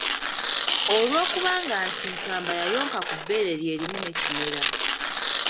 Olw'okubanga nti Nsamba yayonka ku bbeere lye limu ne Kimera.